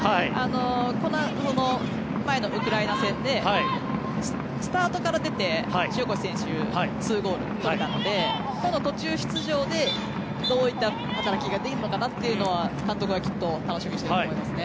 この前のウクライナ戦でスタートから出て塩越選手、２ゴール取れたので途中出場でどういった働きができるのかなというのは監督はきっと楽しみにしていると思いますね。